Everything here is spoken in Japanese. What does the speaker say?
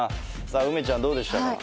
さあ梅ちゃんどうでしたか？